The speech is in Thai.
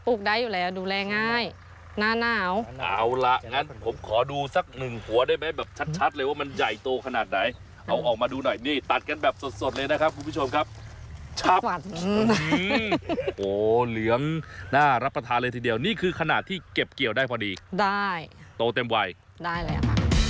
ได้อยู่แล้วดูแลง่ายหน้าหนาวเอาล่ะงั้นผมขอดูสักหนึ่งหัวได้ไหมแบบชัดเลยว่ามันใหญ่โตขนาดไหนเอาออกมาดูหน่อยนี่ตัดกันแบบสดสดเลยนะครับคุณผู้ชมครับชอบหวานโอ้โหเหลืองน่ารับประทานเลยทีเดียวนี่คือขนาดที่เก็บเกี่ยวได้พอดีได้โตเต็มวัยได้แล้วค่ะ